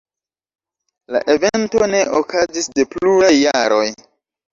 La evento ne okazis de pluraj jaroj.